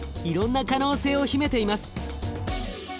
いろんな可能性を秘めています。